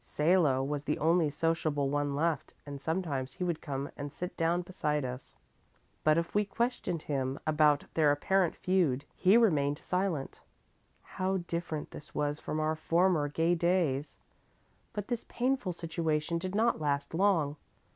Salo was the only sociable one left, and sometimes he would come and sit down beside us; but if we questioned him about their apparent feud, he remained silent. How different this was from our former gay days! But this painful situation did not last long.